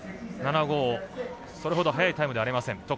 それほど速いタイムではありません。